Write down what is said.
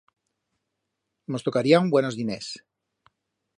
Mos tocarían buenos diners.